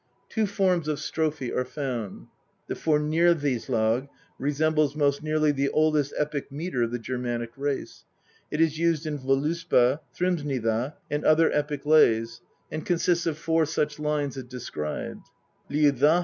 Two forms of strophe are found : the Fornyr]?islag resembles most nearly the oldest epic metre of the Germanic race; it is used in Voluspa, Thrymskvtya, and other epic lays, and consists of four such lines as described ; the Ljo)?